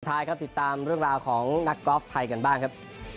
ท้ายครับติดตามเรื่องราวของนักกอล์ฟไทยกันบ้างครับ